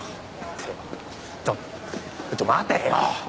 ちょっちょっと待てよ！